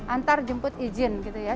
antar jemput izin gitu ya